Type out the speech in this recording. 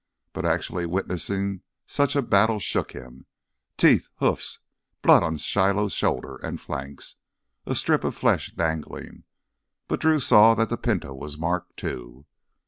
But actually witnessing such a battle shook him. Teeth ... hoofs ... blood on Shiloh's shoulders and flanks ... a strip of flesh dangling.... But Drew saw that the Pinto was marked, too.